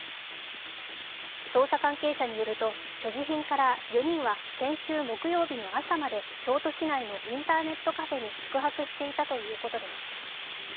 捜査関係者によると所持品から４人は先週木曜日の朝まで京都市内のインターネットカフェに宿泊していたということです。